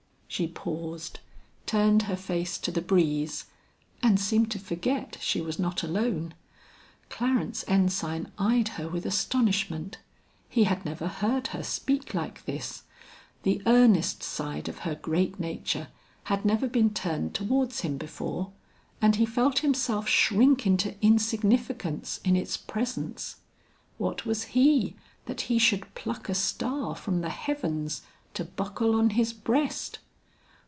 She paused, turned her face to the breeze, and seemed to forget she was not alone. Clarence Ensign eyed her with astonishment; he had never heard her speak like this; the earnest side of her great nature had never been turned towards him before, and he felt himself shrink into insignificance in its presence. What was he that he should pluck a star from the heavens, to buckle on his breast!